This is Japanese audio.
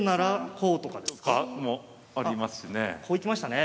こう行きましたね。